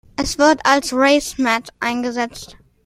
Es wird als Racemat eingesetzt.